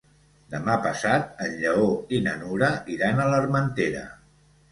Demà passat en Lleó i na Nura iran a l'Armentera.